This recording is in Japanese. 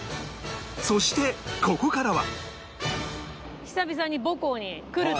そしてここからは